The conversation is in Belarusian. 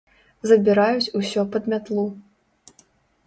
Забіраюць усё пад мятлу.